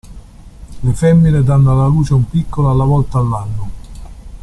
Le femmine danno alla luce un piccolo alla volta all'anno.